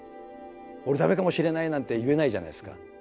「俺駄目かもしれない」なんて言えないじゃないですか。